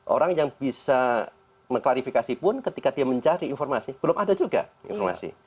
orang yang bisa mengklarifikasi pun ketika dia mencari informasi belum ada juga informasi